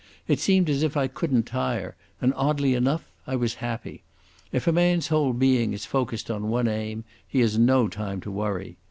It seemed as if I couldn't tire, and, oddly enough, I was happy. If a man's whole being is focused on one aim, he has no time to worry....